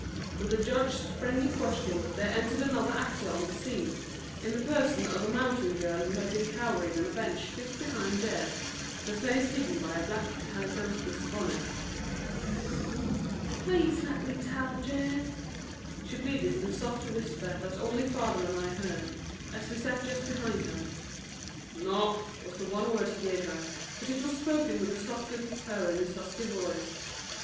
With the judge's friendly question there entered another actor on the scene, in the person of a mountain girl who had been cowering on a bench just behind Jed, her face hidden by a black calico split bonnet. "Please lemme tell, Jed," she pleaded in a soft whisper that only father and I heard, as we sat just behind her. "Naw," was the one word he gave her, but it was spoken with a soft little purr in his husky voice.